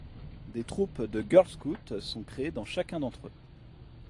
Des troupes de Girl Scouts sont créées dans chacun d'entre eux.